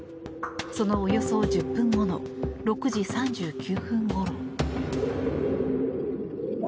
そのおよそ１０分後の６時３９分ごろ。